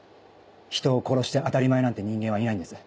人を殺して当たり前なんて人間はいないんです。